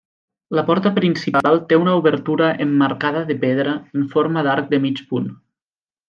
La porta principal té una obertura emmarcada de pedra en forma d'arc de mig punt.